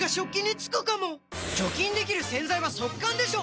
除菌できる洗剤は速乾でしょ！